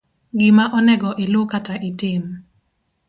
Gima onego ilu kata itim;